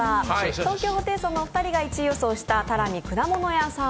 東京ホテイソンのお二人が１位予想したたらみくだもの屋さん